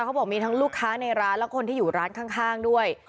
เขาบอกมีทั้งลูกค้าในร้านและคนที่อยู่ร้านข้างด้วย